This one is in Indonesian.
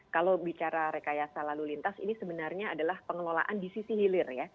kalau bicara rekayasa lalu lintas ini sebenarnya adalah pengelolaan di sisi hilir ya